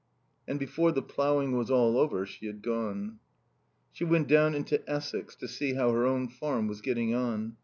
And before the ploughing was all over she had gone. She went down into Essex, to see how her own farm was getting on.